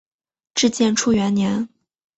至建初元年。